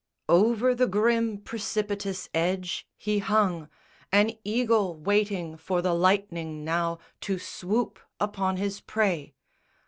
_ Over the grim precipitous edge he hung, An eagle waiting for the lightning now To swoop upon his prey.